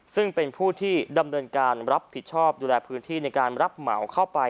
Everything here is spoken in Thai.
ซึ่งเป็นผู้ที่ดำเนินการรับผิดชอบดูแลพื้นที่ในการรับเหมาเข้าไป